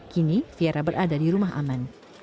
kini viera berada di rumah aman